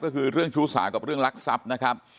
ก็คือเรื่องชู้สาวกับเรื่องลักทรัพย์นะครับ